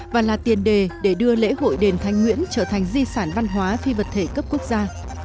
và là tiền đề để đưa lễ hội đền thanh nguyễn trở thành di sản văn hóa phi vật thể cấp quốc gia